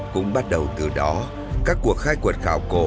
cũng bắt đầu từ đó các cuộc khai quật khảo cổ